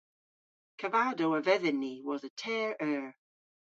Kavadow a vedhyn ni wosa teyr eur.